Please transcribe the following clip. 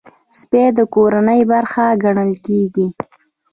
سپي د کورنۍ برخه ګڼل کېږي.